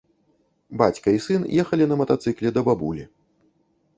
Бацька і сын ехалі на матацыкле да бабулі.